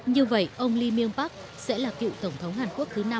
như vậy ông lee myung pak sẽ là cựu tổng thống hàn quốc thứ năm phải ra tòa